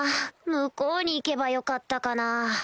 向こうに行けばよかったかなぁ